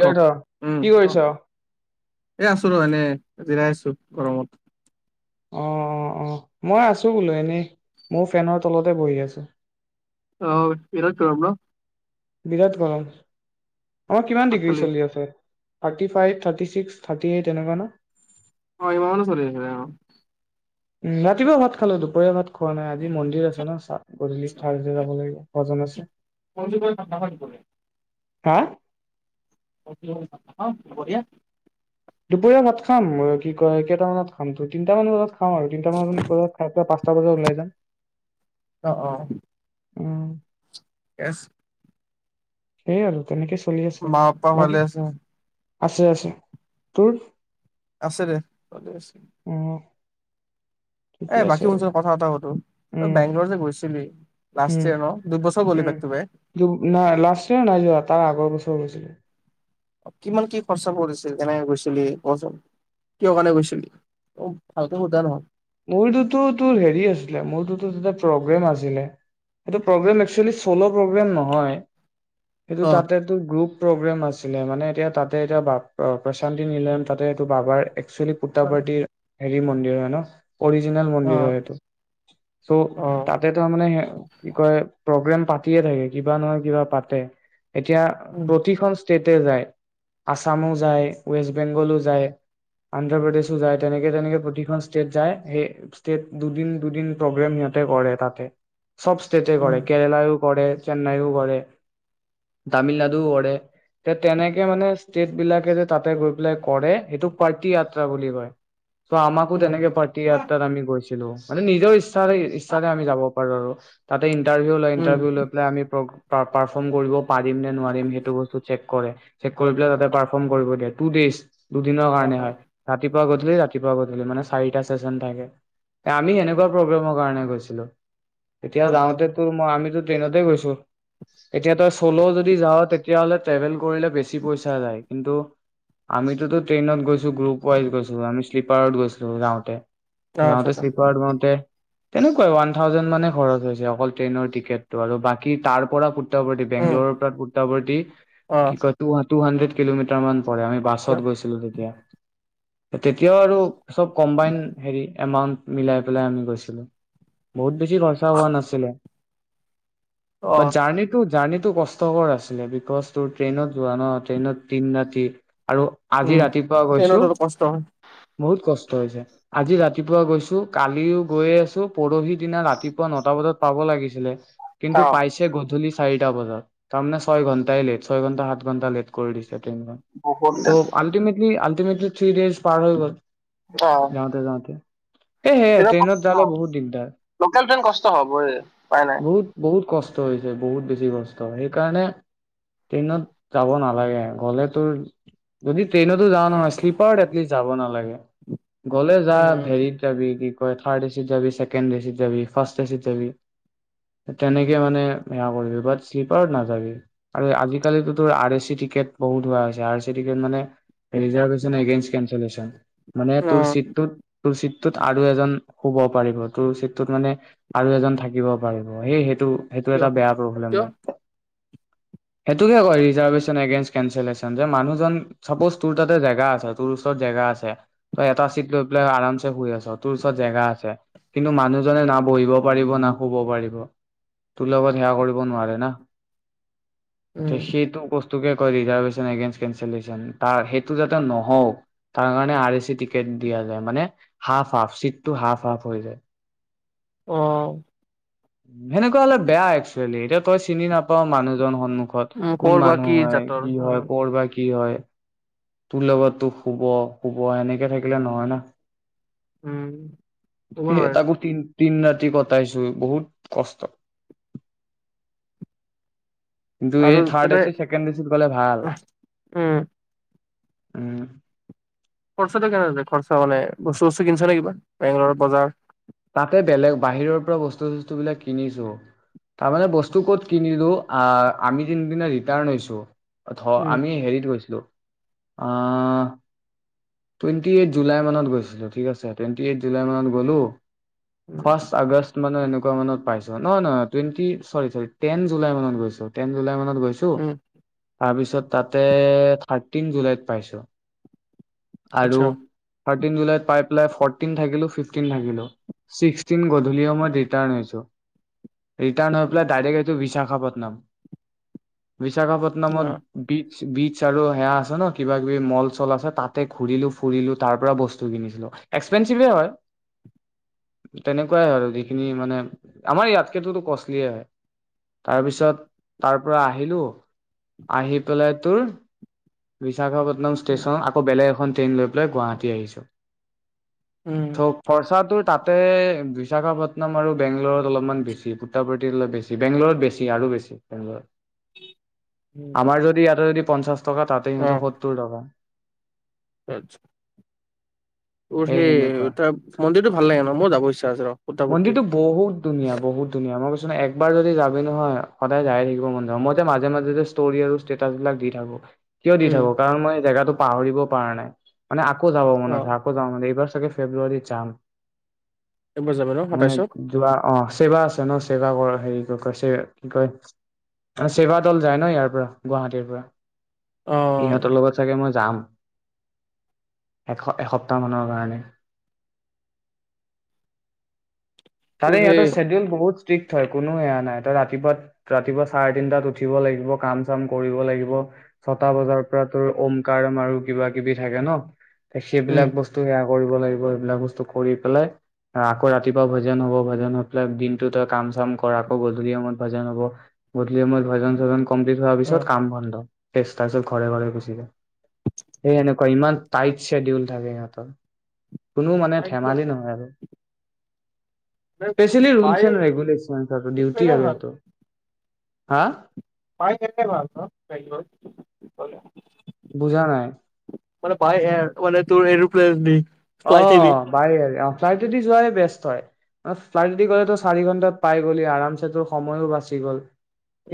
ক কি কৰিছ? এই আছো ৰ' এনেই জিৰাই আছো গৰমত। অ', অ', অ', মই আছো বোলো এনেই মোৰ ফেনৰ তলতে বহি আছো। অ', বিৰাট গৰম ন'? বিৰাট গৰম, আমাৰ কিমান ভাত ডিগ্ৰী খালি চলি আছে? Thirty five thirty six thirty eight এনেুকুৱ ন'? অ', ইমান মানে চলি আছিলে অ'। উম, ৰাতিপুৱা ভাত খালো, দুপৰীয়া ভাত খোৱা নাই। আজি মন্দিৰ আছে ন', চ গধূলিা ৰ্চাছত যাব লাগিব ভজন আছে। অ কা? [unintelligible] বঢ়িয়া। দুপৰীয়া ভাত খাম। কি কয় কেইটামানত খাম! ত তিনটামান বজাত খাম আৰু তিনিটা মান বজাত। তাৰপা পাঁচটা বজাত ওলাই যাম। অ অ। উম, এছ সেইয়া আৰু তেনেকে চলি আছো মা আৰু। পাপা ভালে বাকী? আছে আছে আছে, তোৰ? আছে দে চলি আছে। অঁ। এ বাকী চৰ কথা এটা সোধো। ত‌ই উম, বেংগলৰ যে গৈছিলি লাষ্ট ইয়েৰ ন, দুইবছৰ গলি বে'ক তু বে'ক? তো নাই লাষ্ট ইয়াৰ নাই যোৱা, তাৰ আগৰ বছৰ গৈছিলো। কিমান কি খৰচা পৰিছিল কেনেকে গৈছিলি কচোন? কিয় কাৰণে গৈছিল? অ' ভালকে সোধা নহল। মোৰটোতো তোৰ হেৰি আছিলে, মোৰটোতো প্ৰগ্ৰেম আছিলে। সেইটো প্ৰগ্ৰেম একচুৱেলি চ'ল প্ৰগ্ৰেম নহয়। সেইটো অ তাতে, টো গ্ৰুপ প্ৰগ্ৰেম আছিলে। মানে এতিয়া তাতে এতিয়া প্ৰশান্তি নিলম তাতে এইটো বাবাৰ এক্সুৱেলি পুতাপাৰ্টিৰ হেৰি মন্দিৰ হয় ন? অৰিজিনেল অ মন্দিৰ হয় এইটো। চ, অ তাতে তাৰ মানে কি কয় প্ৰগ্ৰেম পাতিয়ে থাকে, কিবা নহয় কিবা পাতে। এতিয়া উম প্ৰতিখন ষ্টেটে যায়। আচামো যায়, ৱেষ্ট বেংগলো যায়। অন্ধ্ৰপ্ৰদেশো যায়। তেনেকে তেনেকে প্ৰতিখন ষ্টেট যায়। সেই ষ্টেট দুদিন দুদিন প্ৰগ্ৰেম সিহঁতে কৰে তাতে। চব ষ্টেটে উম কৰে। কেৰেলাই ও কৰে, চেন্নাইও কৰে, তামিলনাডুও কৰে। তে তেনেকে মানে ষ্টেট বিলাকে যে তাতে গৈ পেলাই কৰে, সেইটো পাৰ্টি যাত্ৰা বুলি কয়। ত' আমাকো উম তেনেকে পাৰ্টি যাত্ৰাত আমি গৈছিলো। মানে নিজৰ ইচ্ছাৰে ইচ্ছাৰে আমি যাব পাৰো আৰু। তাতে ইণ্টাৰভিউ লয়, উম ইণ্টাৰভিউ লৈ পেলাই আমি প্ৰ পা পাৰফৰ্ম কৰিব পাৰিম নে নোৱাৰিম সেইটো বস্তু চেক কৰে। চেক কৰি পেলাই তাতে পাৰফৰ্ম কৰিব দিয়ে, টু ডেইজ। দুদিনৰ অ কাৰণে অ হয়, ৰাতিপুৱা গধূলি ৰাতিপুৱা গধূলি, মানে চাৰিটা চেচন থাকে। আমি সেনেকুৱা প্ৰগ্ৰেমৰ কাৰণে গৈছিলো। তেতিয়া অ যাওঁতে তোৰ মই আমিতো ট্ৰনতে গৈছো। এতিয়া তই চ'ল' যদি যাৱ তেতিয়াহলে ট্ৰেভেল কৰিলে বেছি পইচা যায়। কিন্ত আমিতোটো ট্ৰেইনত গৈছো, গ্ৰুপ ৱাইজ গৈছো, আমি শ্লীপাৰত গৈছো যাওঁতে। আচ্ছা যাওঁতে আচ্ছা শ্লীপাৰত যাওঁতে তেনেকুৱাই ওৱান থাউজেণ্ড মানে খৰচ হৈছে অকল ট্ৰেইনৰ টিকেটটো, আৰু বাকী তাৰ পৰা পুটাৱৰ্তি উম বেংগলোৰৰ পৰা পুটাৱৰ্তি অ কি কয় টু হাণ্ড্ৰেড কিলোমিটাৰ মান পৰে। আমি আচ্ছা বাছত গৈছিলো তেতিয়া। তেতিয়াও আৰু চব কম্বাইন হেৰি এমাউন্ট মিলাই পেলাই আমি গৈছিলো। বহুত বেছি খচা হোৱা নাছিলে। অ বাট জাৰ্নিত জাৰ্ণিটো কষ্টকৰ আছিলে। বিকজ তোৰ ট্ৰেইনত যোৱা ন, ট্ৰেইনত তিন ৰাতি আৰু আজি উম ৰাতিপুৱা গৈছো, ট্ৰেইনতো কষ্ট হয়। বহুত কষ্ট হৈছে। আজি ৰাতিপুৱা গৈছো, কালিও গৈয়ে আছো, পৰহি দিনা ৰাতিপুৱা নটা বজাত পাব লাগিছিলে। অ কিন্তু পাইছে গধূলি চাৰিটা বজাত, তাৰমানে ছয় ঘন্টাই লেট। ছয় ঘন্টা সাত ঘন্টা লেট কৰি দিছে ট্ৰেইনখন। বহুত ত, আল্টিমেটলি আল্টিমেটলি থ্ৰি দেছ পাৰ হৈ গ'ল। অ, যাওঁতে, যাওঁতে। সেহেয়, ট্ৰেইনত যালে, বহুত দিক দাৰ, লোকেল ট্ৰেইন কষ্ট হ'বই উপাই নাই। বহুত। বহুত কষ্ট হৈছে, বহুত বেছি কষ্ট সেইকাৰণে ট্ৰেইনত যাব, নালাগে গ'লে তোৰ যদি ট্ৰেইনতো যাওঁ নহয়, শ্লীপাৰ এটলিষ্ট যাব নালাগে। গ'লে যা, উম হেৰিত যাবি, কি কয় থাৰ্ড এচিত যাবি, চছেকেণ্ড এচিত যাবি, ফাৰ্ষট এচিত যাবি। তেনেকে মানে সেয়া কৰিবি, বাট শ্লিপাৰত নাযাবি। আৰু আজিকালিতো আৰ, চি, টিকেট বহুত হোৱা হৈছে, আৰ, এ, চি, টিকেট মানে [inaudible] মানে উম টোৰ অ চিটতোত তোৰ চিটটোত আৰু এজন শুব পাৰিব, তোৰ চিটটোত মানে আৰু এজন থাকিব পাৰিব, সেই সেইটো, সেইটো কিয় এটা বেয়া প্ৰব্লেম কিয় হয়। সেইটোকে কয় ৰিজাৰ্ভেশ্যন এগেনছ কেলেচন, যে মানুহজন চাপজ তোৰ তাতে জেগা আছে, তোৰ ওচৰত জেগা আছে। তই এটা, চিট লৈ পেলাই, আৰামচে শুই আছ, তোৰ ওচৰত জেগা আছে। কিন্তু মানুহজনে না বহিব পাৰিব, না শুব পাৰিব, তোৰ লগত সেৱা কৰিব নোৱাৰে না, উম সেইটো বস্তু ৰিজাৰ্ভাতিওঁ আগাঁইষ্ট কেঞ্চলেইছন, সেইটো যাতে নহওঁ, তাৰকাৰণে আৰ এচিত টিকেট দিয়া যায়, মানে হাফ, হাফ, চিটটো হাফ, হাফ, হৈ যায়। অ, সেনেকুৱা হ'লে বেয়া একচুৱেলি, এতিয়া তই চিনি নাপাওঁ, মানুহ জন সন্মুখন উম কোন কৰ বা মানুহ কি হয়, জাতৰ কি অ হয় কৰ, বা কি হয়। তোৰ লগত, শু, শুব এনেকে থাকিলে নহয় ন? উম, ক'ব সেই নোৱাৰে তাকো, তিন, তিন ৰাতি কটাইছো বহুত কষ্ট। কিন্তু এই, আৰু থাৰ্ড তাতে এচি, ছেকেণ্ড এচিত গ'লে ভাল। উম উম, খৰচাটো কেনে যায়, খৰচা মানে বস্তু, বস্তু, কিনছে নে, কিবা বেংগলৰ বজাৰ। তাতে বেলেগ বাহিৰৰ পৰা বস্তু চস্তুবলাক কিনিছো। তাৰমানে বস্তু ক'ত কিনিলো, অ, আমি যোনদিনা ৰিটাৰ্ণ হৈছো। ধৰা, উম আমি হেৰিত গৈছিলো, আহ টুৱেণ্টি এইট জুলাই মানত গৈছিলো, ঠিক আছে, টুৱেণ্টি এইট জুলাই মানত গ'লো। উম ফষ্ট, আগষ্ট। এনেকুৱা মানত পাইছো, নহয়, নহয়, টেন, জুলাই মানত গৈছো, টেন জুলাই মানত গৈছো। উম তাৰ পিছত তাতে, থাৰ্টিন জুলাইত পাইছো। আৰু আচ্ছা থাৰ্টিন জুলাইত পাই পেলাই, ফৰ্টিন থাকিলো, এই ফিফটিন থাকিলো। ছিক্সটিন, গধূলি সময় ৰিটাৰ্ণ হৈছো। ৰিটাৰণ হৈ পেলাই, ডাইৰেট আহিছো, বিশাখাপত্তনম বিশাখাপত্তনম অ নামত বিচ- বিচ আৰু সেয়া আছে ন, কিবা কিবি মল, চল আছে তাতে ঘুৰিলো ফুৰিলো তাৰ পৰা বস্তু কিনিছিলো, এক্সপেঞ্চিভে হয়। তেনেকুৱাই আৰু যিখিনি মানে, আমাৰ ইয়াতকেটো কষ্টলিয়ে হয়। তাৰপিছত তাৰ পৰা আহিলো। আহি পেলাই টোৰ বিশাখাপত্তনম উম ষ্টেচন আকৌ বেলেগ এখন ট্ৰেইন লৈ পেলে গুৱাহাটী আহিছো। উম [inaudible] খৰ্চাটো তাতে, বিশাখাপত্তনম আৰু বেংগলৰত অলপমান বেছি, [inaudible] বেছি। বেংগলোৰত বেছি আৰু বছি বেংগলত উম আমাৰ যদি ইয়াতে যদি পঞ্চাশ টকা। তাতে সিহঁত সত্তৰ টকা। আচ্ছা! তোৰ সেই তাৰ মন্দিৰতটো ভাল লাগে ন মোৰ যাব ইচ্ছা আছে ৰ খুঁটা পুতি মন্দিৰটো বহুত ধুনীয়া বহুত ধুনীয়া মই কৈছো। একবাৰ যদি যাবি নহয় সদায় যাই থাকিব মন যাব। মইযে মাজে মাজে যে ষ্টৰি আৰু ষ্টেটাচ বিলাক দি থাকো। কিয় দি উম থাকো। কাৰণ মই জেগাটো পাহৰিব পৰা নাই মানে আকৌ যাব মন অ আছে আকৌ [unintelligible] এইবাৰ চাগে ফেব্ৰুৱাৰী যাম। এইবাৰ যাবি ন মানে সাতাইছত [unintelligible] কিবা অ চেৱা আছে ন চেৱা কৰা হেৰি কি কয় চে কি কয়। মানে ছেভা দল যায় ন ইয়াৰ পৰা গুৱাহাটীৰ পৰা। অ ইহঁতৰ লগত চাগে মই যাম। এস এসপ্তাহ মানৰ কাৰণে। তোৰ তাৰে ইহঁতৰ সেই শ্বেডউল বহুত ষ্ট্ৰিক্ট হয়। কোনো এয়া নাই ত ৰাতিপুৱা। ৰাতিপুৱা চাৰে তিনটাত উঠিব লাগিব। কাম চাম কৰিব লাগিব। ছটা বজাৰ পৰা তোৰ ওমকাৰ মাৰ আৰু কিবা কিবি থাকে ন। উম সেইবিলাক বস্তু টো এয়া কৰিব লাগিব। এইবিলাক বস্তু কৰি পেলাই। আকৌ ৰাতিপুৱা ভজন হ'ব। ভজন হৈ পেলাই দিনটো তই কাম চাম কৰা। আকৌ গধূলি সময়ত ভজন হব। গধূলি সময়ত ভজন চজন কমপ্লিট হোৱাৰ অ পিছত কাম বন্ধ। চেষ্ট তাৰ পাছত ঘৰে ঘৰে গুচি যাও। সেই এনেকুৱা ইমান টাইট শ্বেডউল থাকে সিহঁতৰ। কোনো মানে বাই ধেমালি নহয় আৰু স্পেচিয়েলি ৰুল ভাল চেণ্ ৰেগুলেশচন সিহঁত ডিউটি আৰু ইহঁত। হাঁ পাই চ ভাল ন গ [unintelligible] বুজা নাই মানে ভাই এৰ মানে তোৰ এৰপ্লেন দি অ ফ্লাইটেদি বাৰ এৰ ফ্লাইতেদি যোৱাই বেষ্ট হয়। ফ্লাইতেদি গ'লেটো চাৰি ঘণ্টাত পাই গ'লি আৰামছে টো সময়ো বাচি গ'ল।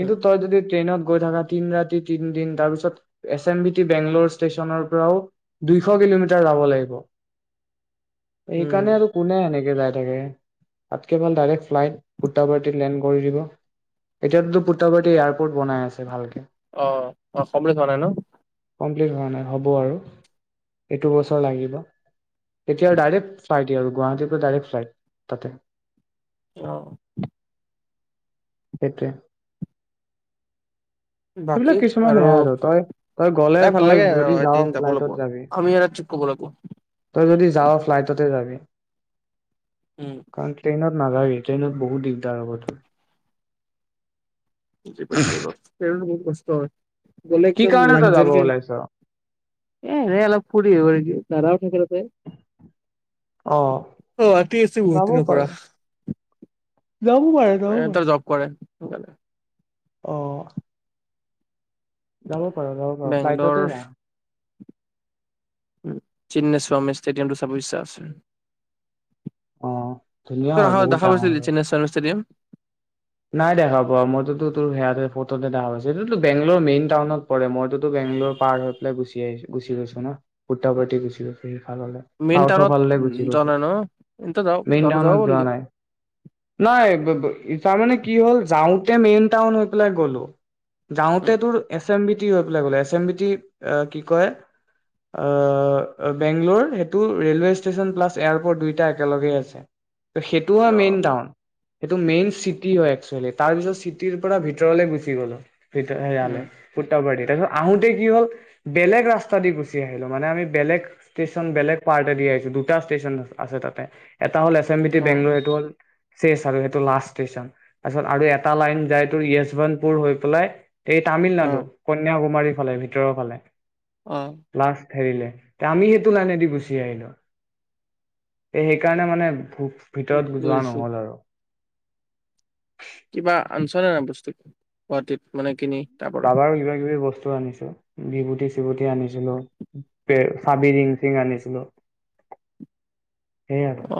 উম তই যদি ট্ৰেইনত গৈ থাকাত তিন ৰাতি তিন দিন। তাৰ পিছত এছ এম বি টি বেংলৰ ষ্টেচনৰ পৰাও দুইশ কিলোমিটাৰ যাব লাগিব। উম এইকানে আৰু কোনে এনেকে যাই থাকে। তাতকে ভাল ডাইৰে্ট ফ্লাইট বুটাবাৰ্টিত লেণ্ড কৰি দিব। এতিয়াটো পুতাপুতী এয়াৰপৰ্ট বনাই আছে ভালকে। অ অ কমপ্লিট হোৱা নাই ন। কমপ্লিট হোৱা নাই হ'ব আৰু এইটো বছৰ লাগিব। এতিয়া ডাইৰেক্ট ফ্লাইটেই আৰু গুৱাহাটীৰ পৰা ডাইৰেক্ট ফ্লাইট তাতে। অ সেইটোয়ে সেইবিলাক কিছুমান হেয়াই আৰু তই তই গ'লে তাই ভাল তই লাগে যদি যাৱ ফ্লাইটত যাগে। ক'বলৈ কোন? তই যদি যাৱ ফ্লাইটতে যাবি। ওম! কাৰণ ট্ৰেইনত নাযাবি ট্ৰেইনত বহুত দিগদাৰ হ'ব তোৰ। বুজি পাইছো ৰ ট্ৰেইনত বহুত কষ্ট হয়। গলে কি একদম কাৰণে তই যাব লাগজাৰি ট্ৰেইন। ওলাইছ এ এনে অলপ ফুৰি আহু নেকি দাদাও থাকে তাতে। অ অ' আতি আছে বহুত যাব দিনৰ পাৰ পৰা। যাব পাৰ যাব এ, পাৰ তাত জব কৰে। অ'। যাব পাৰা, যাব পাৰা, বেংগলৰ ফ্লাইটতে যা। উ, চিন্নাস্বামী ষ্টেডিয়ামটো চাব ইচ্ছা আছে। [unintelligible] অ ধুনীয়া হয় বহুত দেখা ডাঙৰ পাইছিল হয় চিন্নাস্বামী ষ্টেডিয়াম? নাই দেখা পোৱা, মইতোতো তোৰ সেয়াতে ফটোতে দেখা পাইছোঁ, এইটোতো বেংলোৰ মেইন টাউনত পৰে, মইতোতো বেংগলোৰ পাৰ হৈ পেলাই গুচি আহিছোঁ, গুচি গৈছোঁ না, উদ্ধাপৰ্টি [unintelligible] [unintelligible] মেইন চাউথৰ টাউনত ফালেলে গুচি যোৱা গৈছোঁ, নাই ন এন্ত যাও মেইন যাব যাব টাউনত যোৱা পাৰিলি হয় নাই। নাই তাৰমানে কি হ'ল যাওঁতে মেইন টাউন হৈ পেলাই গ'লোঁ। উম যাওঁতে তোৰ এছ এম বি টি হৈ পেলাই গ'লে, এছ এম বি টি কি কয় আ, আ, বেংগলোৰ সেইটো ৰে'লৱে ষ্টেচন প্লাছ এয়াৰপৰ্ট দুইটা একেলগেই আছে। ত' সেইটো হয় অ মেইন টাউন, সেইটো মেইন চিট কি হয় একচুৱেলি তাৰপিছত চিটিৰ পৰা ভিতৰলে গুচি গ'লো, ভিতৰ হেয়ালে। উম পুত্ৰাবাৰ দি তাৰপিছত আহোঁতে কি হ'ল বেলেগ ৰাস্তা দি গুচি আহিলোঁ মানে আমি বেলেগ ষ্টেচন বেলেগ পাৰ্টে দিয়া আহিছোঁ, দুটা ষ্টেচন আছে তাতে এটা হ'ল এছ [unintelligible] অ বেংগলৰ হেইটো হ'ল চেছাল সেইটো লাষ্ট ষ্টেছন। তাৰপিছত আৰু এটা লাইন যায় তোৰ য়াজৱানপুৰ হৈ পেলাই এই অ তামিলনাডু। কন্যাকুমাৰীৰ ফালে, ভিতৰৰ ফালে। অ'। লাষ্ট হেৰিলে। তে আমি সেইটো লাইনেদি গুচি আহিলোঁ। এ, সেইকাৰণে মানে ভু-ভিতৰত যোৱা বুজিছো নহ'ল আৰু। কিবা আনছানে নাই বস্তু, গুৱাহাটীত মানে কিনি? তাৰ পৰা বাবাৰো কিবা কিবি বস্তু আনিছোঁ। বিভুটি চিভুটি আনিছিলোঁ, চাবি ৰিং চিং আনিছিলোঁ। সেই আৰু। অ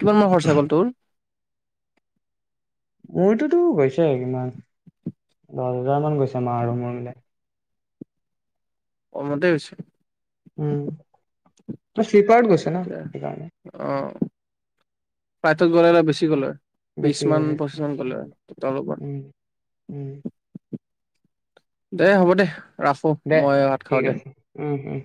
কিমান মান খৰচা গ'ল তোৰ? মোৰতোতো গৈছে, ইমান দহ হোজাৰ মান গৈছে, মা আৰু মোৰ মিলাই। কমতে হৈছে। উম, তই শ্লিপাৰত গৈছ ন' সেইকাৰণে। অ' ফ্লাইটত গ'লে অলপ বেছি গ'লে হয়। বিশ বেছি হৈ মান, গৈছে পঁচিছ মান গ'লে হয়। [unintelligible] উম উম। দে হ'ব দে। ৰাখো দে মই ভাত ঠিক খাওঁ দে। আছে, উম, উম।